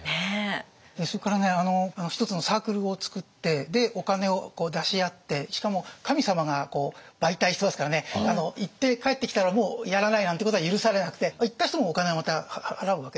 それからね一つのサークルを作ってでお金を出し合ってしかも神様が媒体してますからね行って帰ってきたらもうやらないなんてことは許されなくて行った人もお金はまた払うわけです。